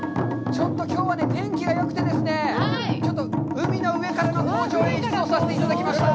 ちょっときょうはね、天気がよくてですね、ちょっと海の上からの登場を演出させていただきました。